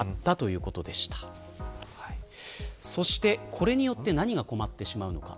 これによって何が困ってしまうのか。